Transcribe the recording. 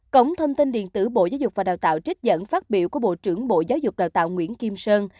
cổng thông tin điện tử bộ giáo dục và đào tạo trích dẫn phát biểu của bộ trưởng bộ giáo dục đào tạo nguyễn kim sơn